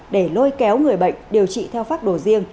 để lôi kéo người bệnh điều trị theo pháp đồ riêng